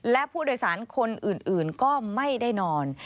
และผู้โดยสารคนอื่นก็ไม่ได้นอน